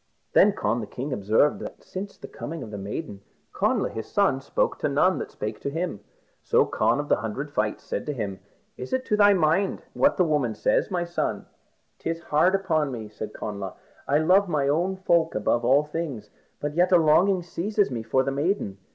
Then Conn the king observed that since the maiden came, Connla his son spoke to none that spake to him. So Conn of the hundred fights said to him, "Is it to thy mind what the woman says, my son?" "'Tis hard upon me," then said Connla; "I love my own folk above all things; but yet, but yet a longing seizes me for the maiden."